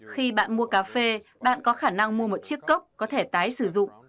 khi bạn mua cà phê bạn có khả năng mua một chiếc cốc có thể tái sử dụng